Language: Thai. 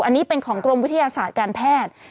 อันนี้เป็นของกรมวิทยาศาสตร์การแพทย์